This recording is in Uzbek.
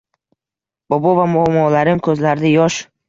Bobo va momolarim ko’zlarida yosh.